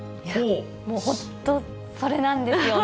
本当、それなんですよね。